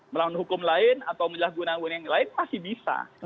melawan hukum lain atau menyalahguna guna yang lain masih bisa